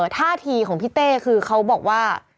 ท่าทีของพี่เต้คือเขาบอกว่า